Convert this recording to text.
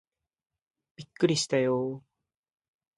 びっくりしたよー